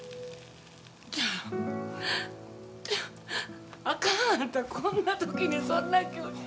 ちょあかん、あかんこんな時にそんな急に。